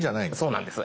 そうなんです。